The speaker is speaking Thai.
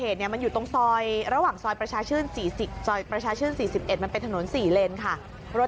ตรวจเข้าแรงด้วย